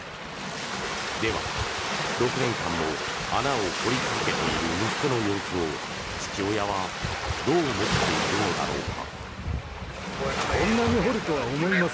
では、６年間も穴を掘り続けている息子の様子を父親はどう思っているのだろうか。